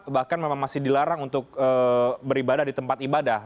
bahkan memang masih dilarang untuk beribadah di tempat ibadah